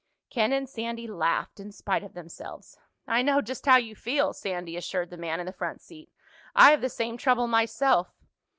Ken and Sandy laughed in spite of themselves. "I know just how you feel," Sandy assured the man in the front seat. "I have the same trouble myself."